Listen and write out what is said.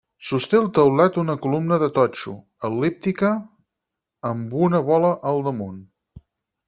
Sosté el teulat una columna de totxo, el·líptica, amb una bola al damunt.